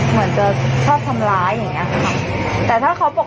เหมือนจะชอบทำร้ายอย่างเงี้ค่ะแต่ถ้าเขาบอก